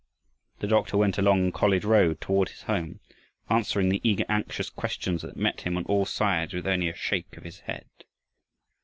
The doctor went along "College Road" toward his home, answering the eager, anxious questions that met him on all sides with only a shake of his head.